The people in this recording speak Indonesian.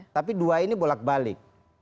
tapi dua ini bolak balik